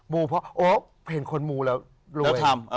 มูเพราะโอ๊ยเห็นคนมูแล้ว